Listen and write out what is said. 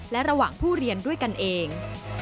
และระหว่างผู้เรียนด้วยกันเอง